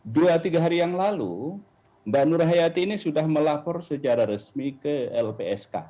dua tiga hari yang lalu mbak nur hayati ini sudah melapor secara resmi ke lpsk